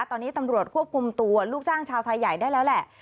ตอนนี้ตำรวจควบคุมตัวลูกจ้างชาวไทยใหญ่ได้แล้วแหละ